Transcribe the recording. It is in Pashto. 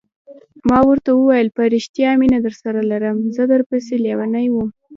ما ورته وویل: په رښتیا مینه درسره لرم، زه در پسې لیونی وم.